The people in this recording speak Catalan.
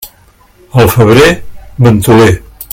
El febrer, ventoler.